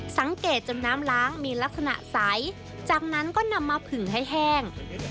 สังเกตจนน้ำล้างมีลักษณะใสจากนั้นก็นำมาผึ่งให้แห้ง